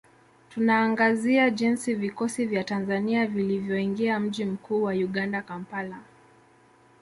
Tunaangazia jinsi vikosi vya Tanzania vilivyoingia mji mkuu wa Uganda Kampala